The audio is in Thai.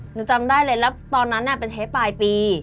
จำได้เลยแล้วตอนนั้นเป็นเทปปลายปี